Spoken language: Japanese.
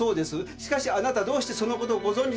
しかしあなたどうしてそのことをご存じだったんですか？